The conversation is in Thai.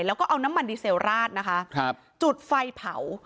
แล้วก็เอาน้ำมันดีเซลล์ราดจุดไฟเผา